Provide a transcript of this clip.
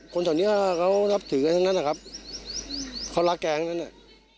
แถวนี้เขานับถือกันทั้งนั้นนะครับเขารักแก๊งทั้งนั้นอ่ะ